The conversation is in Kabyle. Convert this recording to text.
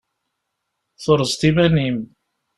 Turzeḍ iman-im.